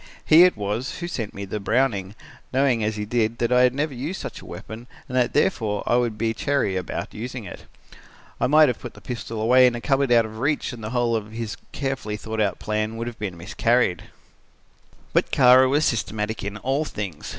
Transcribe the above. He it was, who sent me the Browning, knowing as he did that I had never used such a weapon and that therefore I would be chary about using it. I might have put the pistol away in a cupboard out of reach and the whole of his carefully thought out plan would have miscarried. "But Kara was systematic in all things.